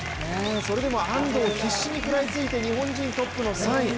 それでも安藤、必死に食らいついて、日本人トップの３位。